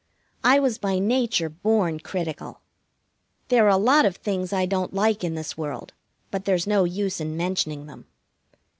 I was by nature born critical. There are a lot of things I don't like in this world, but there's no use in mentioning them.